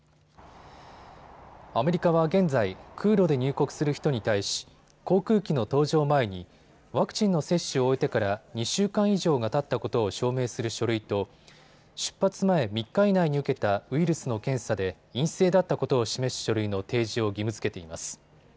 アメリカは現在、空路で入国する人に対し航空機の搭乗前にワクチンの接種を終えてから２週間以上がたったことを証明する書類と出発前３日以内に受けたウイルスの検査で陰性だったことを示す書類の提示を義務づけています。